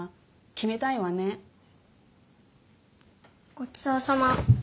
ごちそうさま。